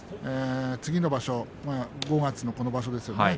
次の場所５月のこの場所ですよね。